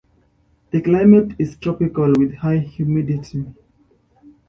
The climate is tropical with high humidity.